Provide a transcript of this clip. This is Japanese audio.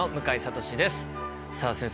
さあ先生